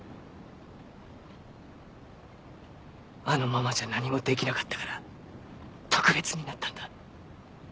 あのままじゃ何もできなかったから特別になったんだ。